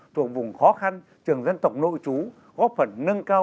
thuộc vùng khó khăn trường dân tộc nội chú góp phần nâng cao